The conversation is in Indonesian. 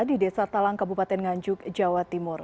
di desa talang kabupaten nganjuk jawa timur